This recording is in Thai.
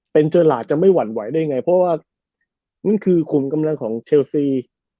เป็นเจอหลาดจะไม่หวั่นไหวได้ไงเพราะว่านั่นคือขุมกำลังของเชลซี